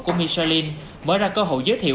của michelin mở ra cơ hội giới thiệu